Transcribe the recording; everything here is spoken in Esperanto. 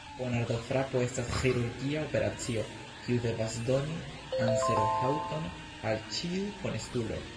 Ponardofrapo estas ĥirurgia operacio, kiu devas doni anserhaŭton al ĉiu honestulo.